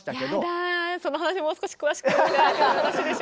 やだぁその話もう少し詳しくお伺いしてもよろしいでしょうか？